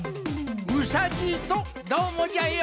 うさじいとどーもじゃよ。